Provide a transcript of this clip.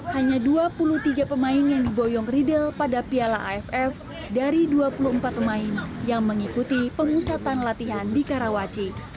hanya dua puluh tiga pemain yang diboyong riedel pada piala aff dari dua puluh empat pemain yang mengikuti pemusatan latihan di karawaci